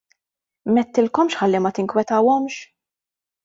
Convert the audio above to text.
M'għedtilhomx ħalli ma tinkwetahomx!